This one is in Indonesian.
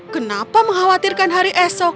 kenapa mengkhawatirkan hari esok